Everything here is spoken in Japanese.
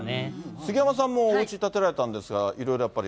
杉山さんも、おうち建てられたんですが、いろいろやっぱり。